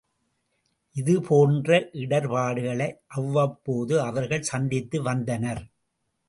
இது போன்ற இடர்ப்பாடுகளை அவ்வப்போது அவர்கள் சந்தித்து வந்தனர்.